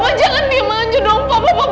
dan semuanya terjadi sekarang